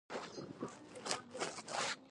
قاضي کالینز د برېټانیا قوانین په پام کې ونه نیول.